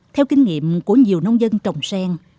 theo kinh nghiệm của nhiều nông dân trồng sen